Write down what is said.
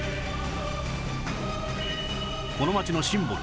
この街のシンボル